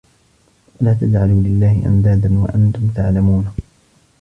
فَلَا تَجْعَلُوا لِلَّهِ أَنْدَادًا وَأَنْتُمْ تَعْلَمُونَ